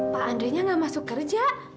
pak andre nya nggak masuk kerja